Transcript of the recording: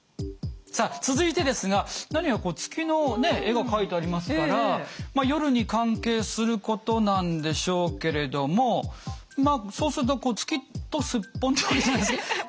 さあ続いてですが何やらこう月の絵が描いてありますからまあ夜に関係することなんでしょうけれどもまあそうすると「月とすっぽん」とか。